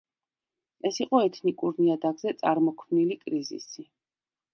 ეს იყო ეთნიკურ ნიადაგზე წარმოქმნილი კრიზისი.